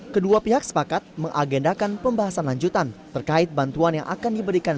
kedua pihak sepakat mengagendakan pembahasan lanjutan terkait bantuan yang akan diberikan